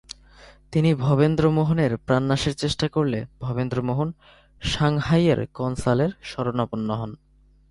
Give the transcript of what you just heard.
তিনি ভবেন্দ্রমোহনের প্রাণনাশের চেষ্টা করলে ভবেন্দ্রমোহন সাংহাইয়ের কন্সালের শরণাপন্ন হন।